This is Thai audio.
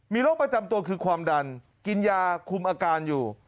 มีโรคประจำตัวคือความดันกินยาคุมอาการอยู่